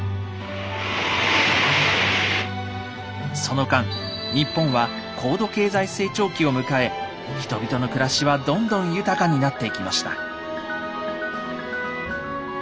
その間日本は高度経済成長期を迎え人々の暮らしはどんどん豊かになっていきました。